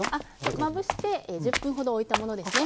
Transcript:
まぶして１０分ほどおいたものですね。